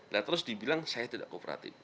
dan terus dibilang saya tidak kooperatif